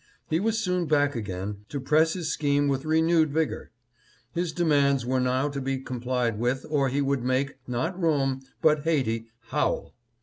He was soon back again to press his scheme with renewed vigor. His demands were now to be complied with or he would make, not Rome, but Haiti, howl.